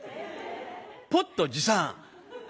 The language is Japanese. ポット持参。